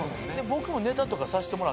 僕もネタとかさしてもらってね